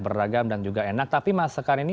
beragam dan juga enak tapi masakan ini